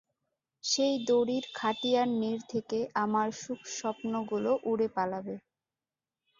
সেই দড়ির খাটিয়ার নীড় থেকে আমার সুখস্বপ্নগুলো উড়ে পালাবে।